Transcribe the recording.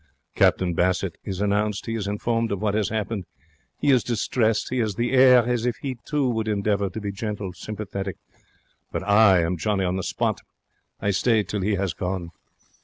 Captain Bassett is announced. He is informed of what has 'appened. He is distressed. He has the air as if he, too, would endeavour to be gentle, sympathetic. But I am Johnny on the spot. I stay till he 'as gone.